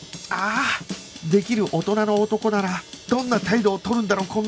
ああできる大人の男ならどんな態度を取るんだろう？